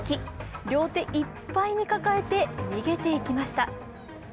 両手いっぱいに抱えて逃げていきました。